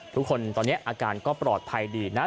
ทุกคนตอนนี้อาการก็ปลอดภัยดีนะ